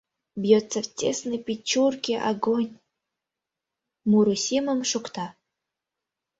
«Бьётся в тесной печурке огонь...» муро семым шокта.